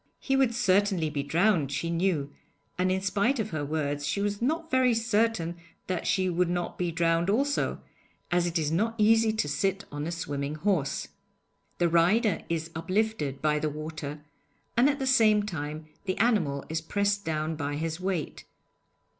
He would certainly be drowned, she knew, and in spite of her words she was not very certain that she would not be drowned also, as it is not easy to sit on a swimming horse. The rider is uplifted by the water, and at the same time the animal is pressed down by his weight.